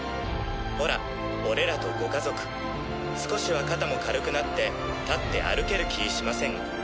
ホラ俺らとご家族少しは肩も軽くなって立って歩ける気ィしません？